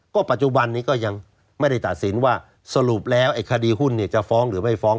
ก็ปัจจุบันนี้ก็ยังไม่ได้ตัดสินว่าสรุปแล้วไอ้คดีหุ้นจะฟ้องหรือไม่ฟ้อง